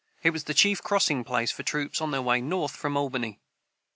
It was the chief crossing place for troops on their way north from Albany.